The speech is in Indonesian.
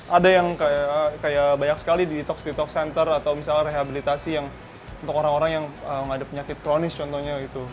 ada yang kayak banyak sekali di detox detox center atau misalnya rehabilitasi yang untuk orang orang yang ada penyakit kronis contohnya gitu